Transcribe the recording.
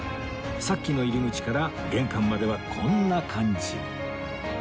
さっきの入り口から玄関まではこんな感じ